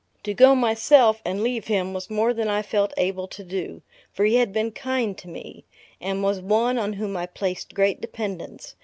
To go myself, and leave him, was more than I felt able to do; for he had been kind to me, and was one on whom I placed great dependence.